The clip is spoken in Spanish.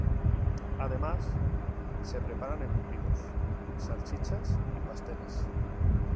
Además, se preparaban embutidos, salchichas y pasteles.